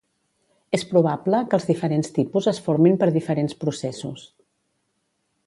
És probable que els diferents tipus es formin per diferents processos.